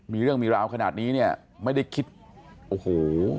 มีเรื่องมีราวขนาดนี้เนี่ยไม่ได้คิดโอ้โห